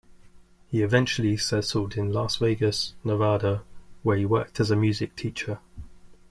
He eventually settled in Las Vegas, Nevada, where he worked as a music teacher.